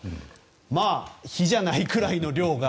まあ、比じゃないくらいの量が。